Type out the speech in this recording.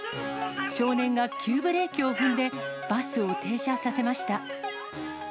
少年が急ブレーキを踏んで、バスを停車させました。